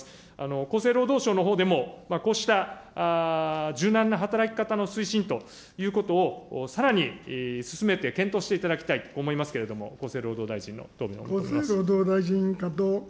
厚生労働省のほうでも、こうした柔軟な働き方の推進ということをさらに進めて検討していただきたいと思いますけれども、厚生労働大臣の答弁をお願いします。